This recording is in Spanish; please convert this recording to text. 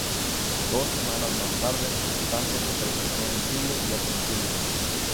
Dos semanas más tarde, Santos se presentó en Chile y Argentina.